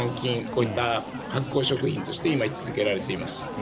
こうした発酵食品として今、位置付けられています。